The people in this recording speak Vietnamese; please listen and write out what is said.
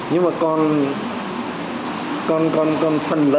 nhưng mà còn còn còn còn phần lớn